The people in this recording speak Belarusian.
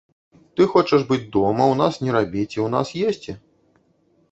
Ты хочаш быць дома, у нас не рабіць і ў нас есці?